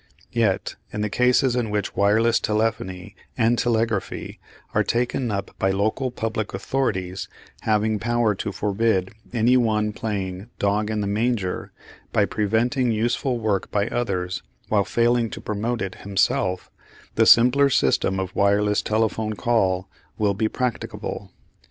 Yet in the cases in which wireless telephony and telegraphy are taken up by local public authorities having power to forbid any one playing "dog in the manger," by preventing useful work by others while failing to promote it himself, the simpler system of wireless telephone call will be practicable.